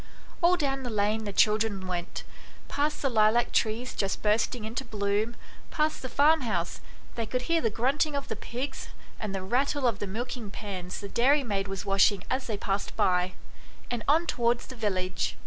All down the lane the children went past the lilac trees just bursting into bloom, past the farm house, they could hear the grunting of the pigs, and the rattle of the milking pans the dairy maid was washing as they passed by, and on towards the village.